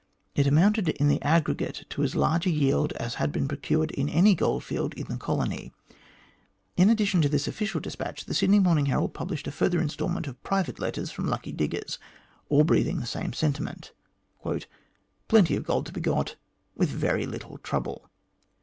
It amounted in the aggregate to as large a yield as had been procured in any goldfield in the colony. In addition to this official despatch, the Sydney Morning Herald published a further instalment of private letters from lucky diggers, all breathing the same sentiment " Plenty of gold to be got with very little trouble."